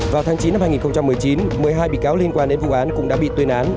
vào tháng chín năm hai nghìn một mươi chín một mươi hai bị cáo liên quan đến vụ án cũng đã bị tuyên án